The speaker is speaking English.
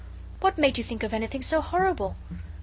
What made you think of anything so horrible?"